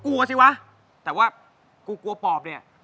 กลัวสิวะแต่ว่ากูกลัวปอบเนี่ย